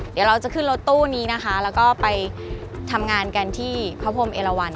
เดี๋ยวเราจะขึ้นรถตู้นี้นะคะแล้วก็ไปทำงานกันที่พระพรมเอลวัน